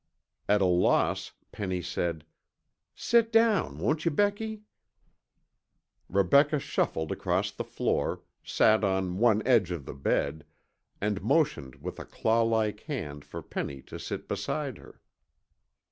At a loss, Penny said, "Sit down, won't you, Becky?" Rebecca shuffled across the floor, sat on one edge of the bed, and motioned with a clawlike hand for Penny to sit beside her.